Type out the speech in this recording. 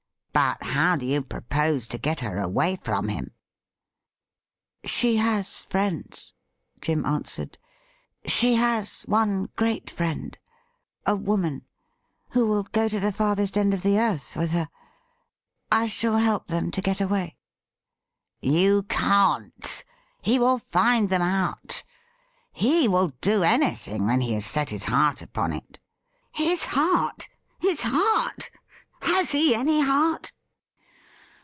But how do you propose to get her away from him .?' 'She has friends,' Jim answered. 'She has one great friend — a woman — who will go to the farthest end of the earth with her. I shall help them to get away.' ' You can't. He will find them out. He will do any thing when he has set his heart upon it.' ' His heart ! His heart ! Has he any heart